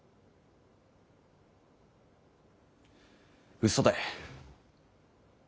うそだ！